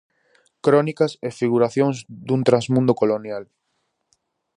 Crónicas e figuracións dun trasmundo colonial.